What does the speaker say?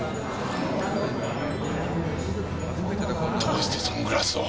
どうしてサングラスを。